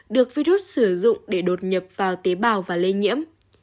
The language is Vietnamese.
được virus sử dụng để đột nhập vào tế bào và lây nhiễm